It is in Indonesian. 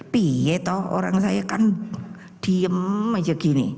pih ya toh orang saya kan diem aja gini